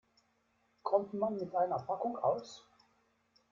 Kommt man mit einer Packung aus?